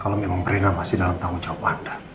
kalau memang rena masih dalam tanggung jawab anda